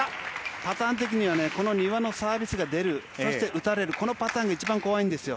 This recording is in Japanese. パターン的には丹羽のサービスが出る打たれる、このパターンが一番怖いんですよ。